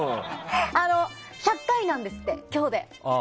１００回目なんですって今日で。